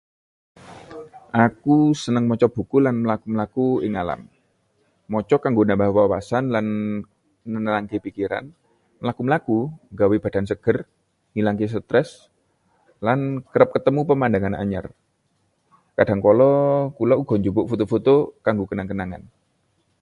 Aku seneng maca buku lan mlaku-mlaku ing alam. Maca kanggo nambah wawasan lan nenangke pikiran; mlaku-mlaku nggawe badan seger, ngilangke stres, lan kerep ketemu pemandangan anyar. Kadhangkala kula uga njupuk foto-foto kanggo kenang-kenangan.